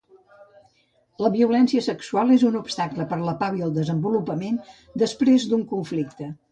La violència sexual és un obstacle per la pau i el desenvolupament després d'un conflicte.